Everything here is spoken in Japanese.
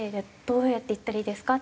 どうやって行ったらいいですか？